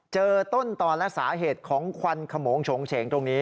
เจอต้นตอนและสาเหตุของควันขมงโฉงเฉงตรงนี้